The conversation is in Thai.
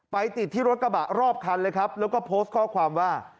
ไปติดที่รถกระบะรอบคันเลยครับแล้วก็โพสต์ข้อความว่า